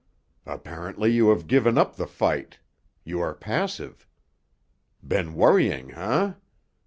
Apparently you have given up the fight; you are passive. Been worrying, eh?